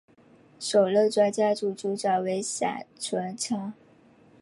首任专家组组长为闪淳昌。